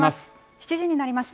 ７時になりました。